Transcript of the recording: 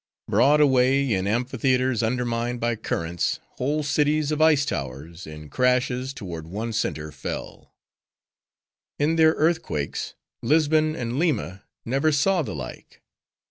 Broad away, in amphitheaters undermined by currents, whole cities of ice towers, in crashes, toward one center, fell.—In their earthquakes, Lisbon and Lima never saw the like.